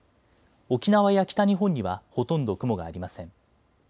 沖縄や北日本にはほとんど雲がありません。